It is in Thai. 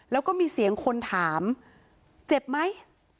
แล้วก็มีเสียงคนถามเจ็บไหม